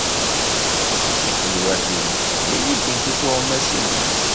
Tiḥelwatin diri-tent i tuɣmas-nnek.